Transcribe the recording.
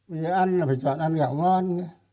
vì ăn là phải chọn ăn gạo ngon